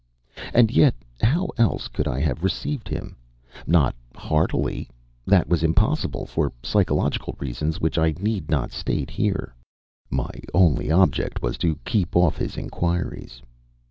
And yet how else could I have received him? Not heartily! That was impossible for psychological reasons, which I need not state here. My only object was to keep off his inquiries.